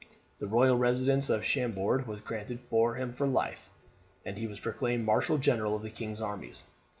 The royal residence of Chambord was granted him for life, and he was proclaimed marshal general of the king's armies.